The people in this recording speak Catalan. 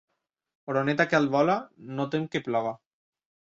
Oreneta que alt vola, no tem que ploga.